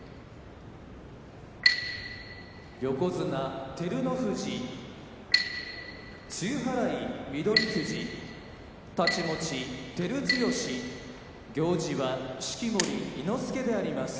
横綱照ノ富士露払い翠富士太刀持ち照強行司は式守伊之助であります。